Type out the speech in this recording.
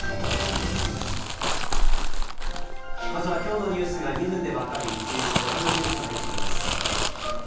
まずは今日のニュースが２分で分かるイッキ見、ご覧のニュースが入っています。